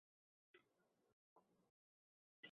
出生于重庆。